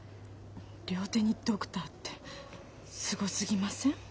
両手にドクターってすごすぎません？